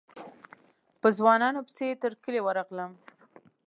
په ځوانانو پسې تر کلي ورغلم.